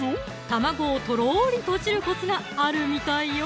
卵をとろりとじるコツがあるみたいよ